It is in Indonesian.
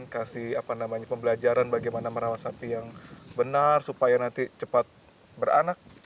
kasih pembelajaran bagaimana merawat sapi yang benar supaya nanti cepat beranak